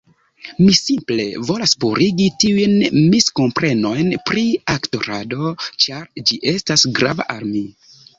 Mi simple volas purigi tiujn miskomprenojn pri aktorado, ĉar ĝi estas grava al mi.